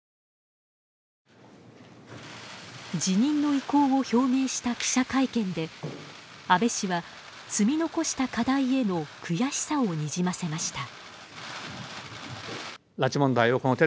辞任の意向を表明した記者会見で安倍氏は、積み残した課題への悔しさをにじませました。